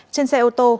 trên xe ô tô